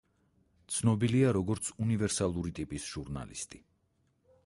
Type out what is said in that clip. ცნობილია, როგორც უნივერსალური ტიპის ჟურნალისტი.